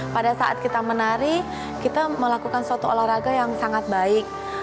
pada saat kita menari kita melakukan suatu olahraga yang sangat baik